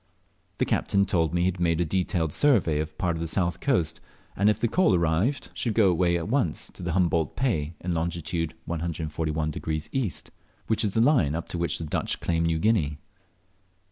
The captain told me he had made a detailed survey of part of the south coast, and if the coal arrived should go away at once to Humboldt Pay, in longitude 141° east, which is the line up to which the Dutch claim New Guinea.